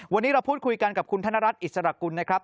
วันนี้เราพูดคุยกันกับคุณธนรัฐอิสระกุลนะครับ